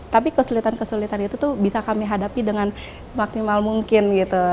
tapi kesulitan kesulitan itu tuh bisa kami hadapi dengan semaksimal mungkin gitu